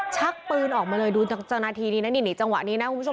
ชักปืนออกมาเลยดูจังหวะนี้นะคุณผู้ชม